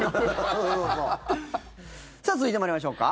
さあ続いて参りましょうか。